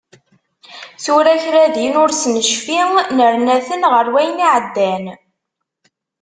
Tura kra din ur s-necfi, nerna-ten ɣer wayen iɛeddan.